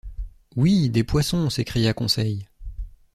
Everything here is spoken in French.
Oui! des poissons, s’écria Conseil.